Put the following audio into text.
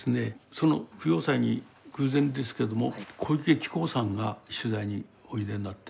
その供養祭に偶然ですけども小池喜孝さんが取材においでになって。